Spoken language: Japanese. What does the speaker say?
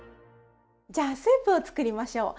じゃあスープを作りましょう。